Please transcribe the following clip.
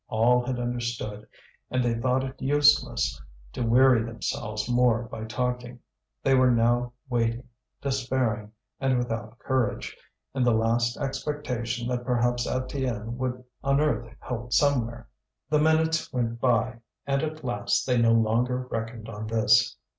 All had understood, and they thought it useless to weary themselves more by talking; they were now waiting, despairing and without courage, in the last expectation that perhaps Étienne would unearth help somewhere. The minutes went by, and at last they no longer reckoned on this.